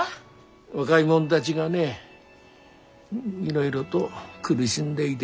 若い者だぢがねいろいろど苦しんでいで。